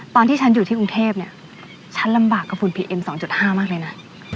ตอนที่ฉันอยู่ที่กรุงเทพเนี่ยฉันลำบากกับคุณพีเอ็ม๒๕มากเลยนะ